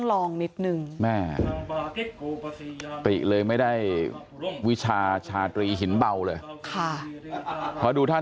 ลองนิดนึงแม่ติเลยไม่ได้วิชาชาตรีหินเบาเลยค่ะเพราะดูท่าน